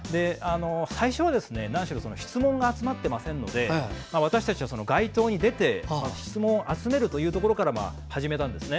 最初は質問が集まってませんのでまず私たちは街頭に出て質問を集めることから始めたんですね。